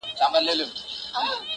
o د سترگو توره سـتــا بـلا واخلـمـه.